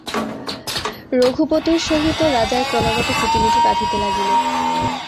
রঘুপতির সহিত রাজার ক্রমাগত খিটিমিটি বাধিতে লাগিল।